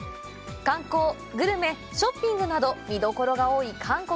観光、グルメ、ショッピングなど見どころが多い韓国。